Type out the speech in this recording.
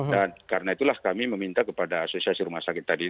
dan karena itulah kami meminta kepada asosiasi rumah sakit tadi